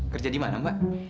kerja di mana mbak